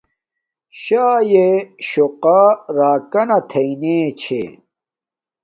شاݵ سُوقا راکانا تھݵ نے چھے